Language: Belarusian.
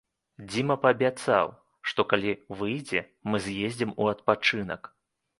Дзіма паабяцаў, што калі выйдзе, мы з'ездзім у адпачынак.